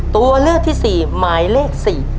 ตัวเลือกที่๔หมายเลข๔